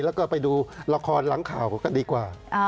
แล้วก็ไปดูละครหลังข่าวกันดีกว่า